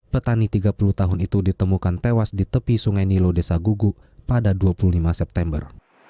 petani tiga puluh tahun itu ditemukan tewas di tepi sungai nilo desa gugu pada dua puluh lima september